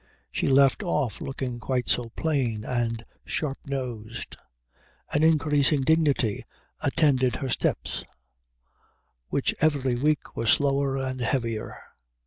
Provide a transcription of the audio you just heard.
She left off looking quite so plain and sharp nosed. An increasing dignity attended her steps, which every week were slower and heavier.